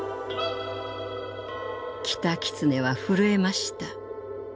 キタキツネはふるえました。